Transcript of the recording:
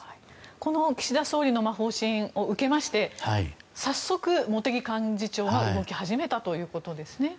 この岸田総理の方針を受けまして早速、茂木幹事長が動き始めたということですね。